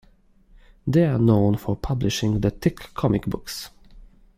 They are known for publishing The Tick comic books.